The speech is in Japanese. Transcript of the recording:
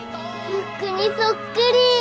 ムックにそっくり。